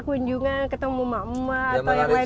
kunjungan ketemu emak emak atau yang lain lain pak